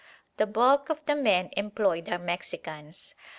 The bulk of the men employed are Mexicans.